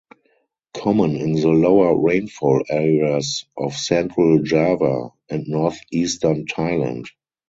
Common in the lower rainfall areas of central Jawa and northeastern Thailand.